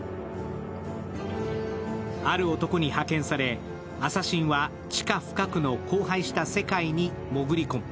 ある男に派遣されアサシンは地下深くの荒廃した世界に潜り込む。